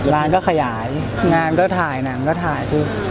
ร้านก็ขยายงานก็ถ่ายหนังก็ถ่ายคือ